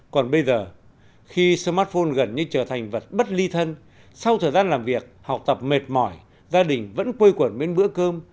còn bây giờ khi smartphone gần như trở thành vật bất ly thân sau thời gian làm việc học tập mệt mỏi gia đình vẫn quây quần bên bữa cơm